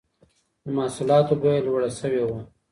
د محصولاتو بيه لوړه سوي وه.